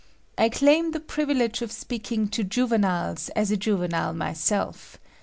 I claim the privilege of speaking to juveniles as a juvenile myself.